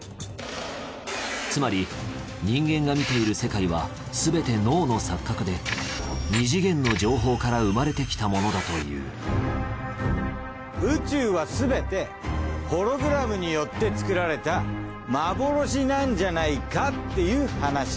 つまり人間が見ている世界はすべて脳の錯覚で二次元の情報から生まれてきたものだという宇宙はすべてホログラムによって作られた幻なんじゃないかっていう話。